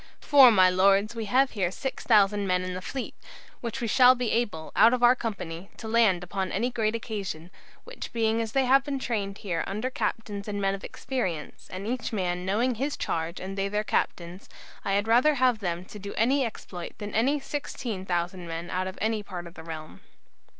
For, my Lords, we have here 6000 men in the fleet, which we shall be able, out of our company, to land upon any great occasion, which being as they have been trained here under captains and men of experience, and each man knowing his charge and they their captains, I had rather have them to do any exploit than any 16,000 men out of any part of the realm."